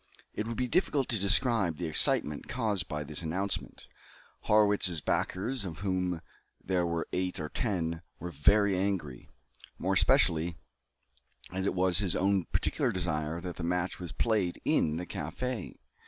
It would be difficult to describe the excitement caused by this announcement. Harrwitz's backers, of whom there were eight or ten, were very angry; more especially as it was at his own particular desire that the match was played in the café.